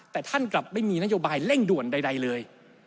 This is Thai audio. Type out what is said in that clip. แต่ท่านกลับไม่มีนโยบายเร่งด่วนใดเลย